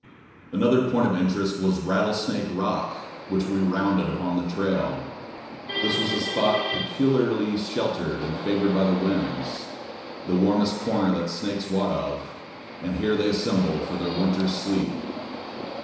Another point of interest was Rattlesnake Rock, which we rounded upon the trail. This was a spot peculiarly sheltered and favored by the winds, the warmest corner that snakes wot of, and here they assemble for their winter's sleep.